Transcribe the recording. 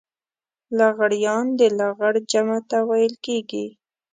لغړيان د لغړ جمع ته ويل کېږي.